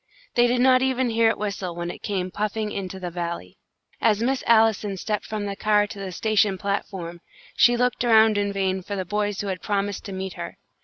They did not even hear it whistle when it came puffing into the Valley. As Miss Allison stepped from the car to the station platform, she looked around in vain for the boys who had promised to meet her.